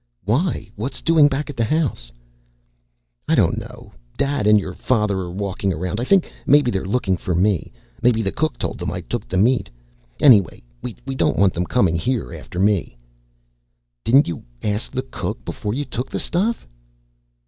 "Why? What's doing back at the house?" "I don't know. Dad and your father are walking around. I think maybe they're looking for me. Maybe the cook told them I took the meat. Anyway, we don't want them coming here after me." "Didn't you ask the cook before you took this stuff?"